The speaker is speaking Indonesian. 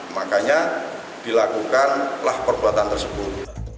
makanya dilakukanlah perbuatan tersebut